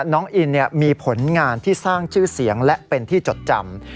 น้องอินมีผลงานที่สร้างชื่อเสียงและเป็นที่จดจำ